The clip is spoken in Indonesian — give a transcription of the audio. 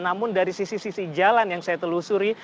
namun dari sisi sisi jalan yang saya telusuri